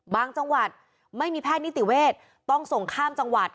จังหวัดไม่มีแพทย์นิติเวศต้องส่งข้ามจังหวัด